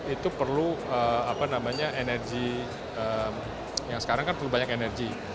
itu perlu energi yang sekarang kan perlu banyak energi